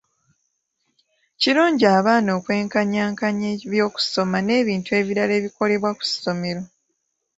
Kirungi abaana okwenkanyankanya eby'okusoma n'ebintu ebirala ebikolebwa ku ssomero.